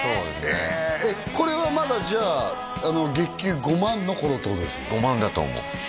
これはまだじゃあ月給５万の頃ってことです？